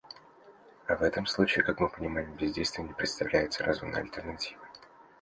А в этом случае, как мы понимаем, бездействие не представляется разумной альтернативой.